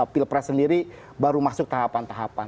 pilpres sendiri baru masuk tahapan tahapan